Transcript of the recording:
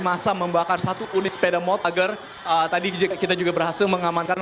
masa membakar satu unit sepeda motor agar tadi kita juga berhasil mengamankan